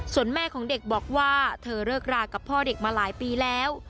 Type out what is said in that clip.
ส่วนแม่ของเด็กบอกว่าเธอเลิกรากับพ่อเด็กมาหลายปีแล้ว